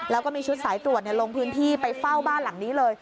แล้วก็มีชุดสายตรวจลงพื้นที่ไปเฝ้าบ้านหลังนี้เลย